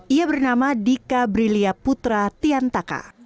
ia bernama dika brilia putra tiantaka